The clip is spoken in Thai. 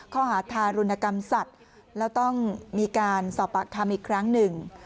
ข้อหาทารุณกรรมสัตว์แล้วต้องมีการสอบปากคำอีกครั้งหนึ่ง